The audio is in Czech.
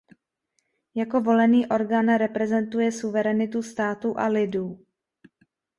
Jako volený orgán reprezentuje suverenitu státu a lidu.